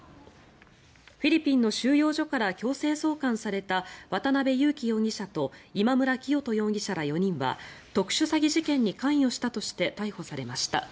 フィリピンの収容所から強制送還された渡邉優樹容疑者と今村磨人容疑者ら４人は特殊詐欺事件に関与したとして逮捕されました。